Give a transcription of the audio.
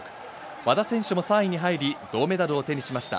和田選手も３位に入り、銅メダルを手にしました。